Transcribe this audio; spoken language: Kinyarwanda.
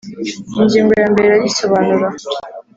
ingingo ya mbere irabisobanura